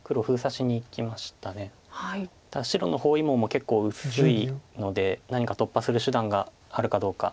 ただ白の包囲網も結構薄いので何か突破する手段があるかどうか。